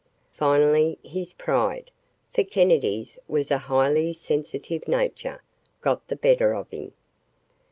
Finally, his pride, for Kennedy's was a highly sensitive nature, got the better of him.